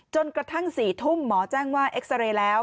จนกระทั่ง๔ทุ่มหมอแจ้งว่าเอ็กซาเรย์แล้ว